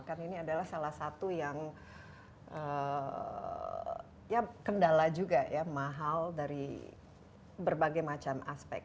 karena ini adalah salah satu yang ya kendala juga ya mahal dari berbagai macam aspek